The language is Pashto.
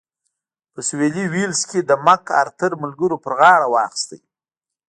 په سوېلي ویلز کې د مک ارتر ملګرو پر غاړه واخیست.